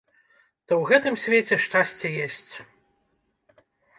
То ў гэтым свеце шчасце есць.